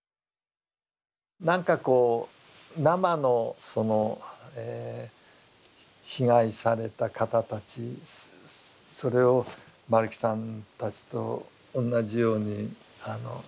なんかこう生のその被害された方たちそれを丸木さんたちと同じように見たというか。